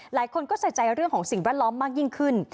หลายคนก็ใส่ใจเรื่องของสิ่งแวดล้อมมากยิ่งขึ้น